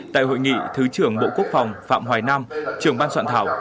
tại hội nghị thứ trưởng bộ quốc phòng phạm hoài nam trưởng ban soạn thảo